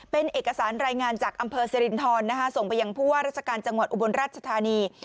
เป็นเอกสารรายงานจากอำเภอสิรินทรส่งไปยังผู้ว่าราชการจังหวัดอุบลราชธานี